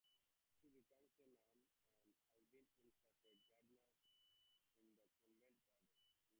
She becomes a nun, and Alvin ends up a gardener in the convent's gardens.